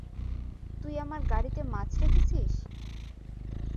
তুই আমার গাড়িতে মাছ রেখেছিস?